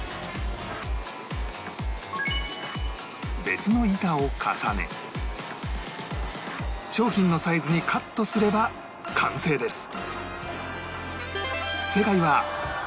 別の板を重ね商品のサイズにカットすれば完成です